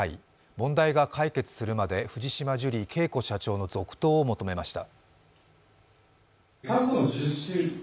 問題が解決するまで藤島ジュリー景子社長の続投を求めました。